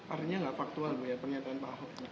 artinya nggak faktual punya pernyataan pak ho